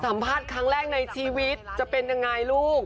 สัมภาษณ์ครั้งแรกในชีวิตจะเป็นยังไงลูก